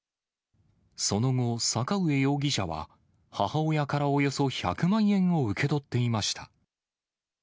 その後、坂上容疑者は、母親からおよそ１００万円を受け取っていました。